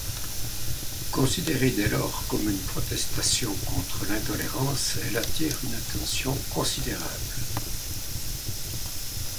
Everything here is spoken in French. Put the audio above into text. Considérée dès lors comme une protestation contre l'intolérance, elle attire une attention considérable.